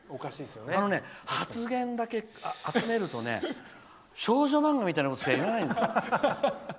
あのね、発言だけ集めるとね少女漫画みたいなことしか言わないんですよ。